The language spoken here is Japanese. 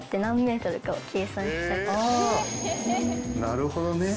なるほどね。